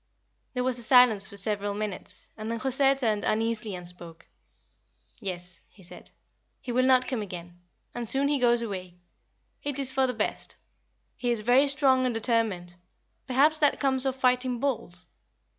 There was silence for several minutes, and then José turned uneasily and spoke. "Yes," he said, "he will not come again; and soon he goes away. It is for the best. He is very strong and determined. Perhaps that comes of fighting bulls.